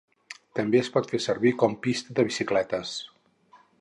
També es pot fer servir com pista de bicicletes.